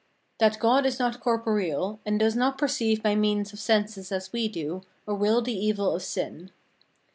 That God is not corporeal, and does not perceive by means of senses as we do, or will the evil of sin.